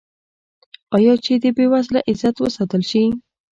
آیا چې د بې وزله عزت وساتل شي؟